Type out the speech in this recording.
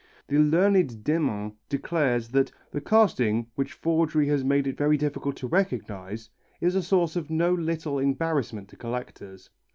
The learned Demmin declares that "the casting which forgery has made it very difficult to recognize" is a source of no little embarrassment to collectors.